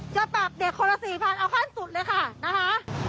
จะปรับเด็กคนละ๔๐๐เอาขั้นสุดเลยค่ะนะคะ